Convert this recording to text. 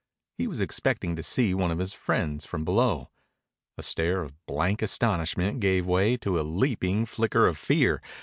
He was expecting to see one of his friends from below. A stare of blank astonishment gave way to a leaping flicker of fear.